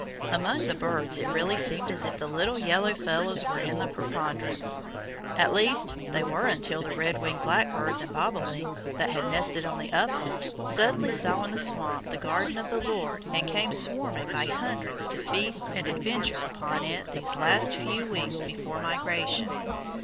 Among the birds it really seemed as if the little yellow fellows were in the preponderance. At least, they were until the redwinged blackbirds and bobolinks, that had nested on the upland, suddenly saw in the swamp the garden of the Lord and came swarming by hundreds to feast and adventure upon it these last few weeks before migration.